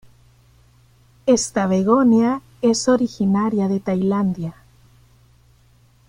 Esta "begonia" es originaria de Tailandia.